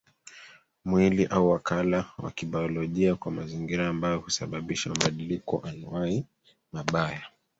Mwili au wakala wa kibaolojia kwa mazingira ambayo husababisha mabadiliko anuwai mabaya